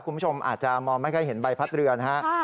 คุณผู้ชมอาจจะมองไม่ค่อยเห็นใบพัดเรือนะฮะ